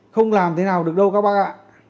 không làm thế nào được đâu các bác ạ